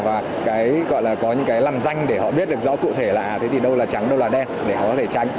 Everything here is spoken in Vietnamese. và có những cái làm danh để họ biết được rõ cụ thể là à thế thì đâu là trắng đâu là đen để họ có thể tránh